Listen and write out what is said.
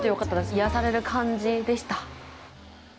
癒やされる感じでした。